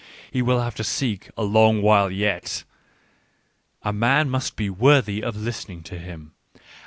he will have to seek a long while yet ! A man must be worthy of listening to him.